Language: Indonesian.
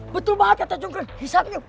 betul banget kata cengkering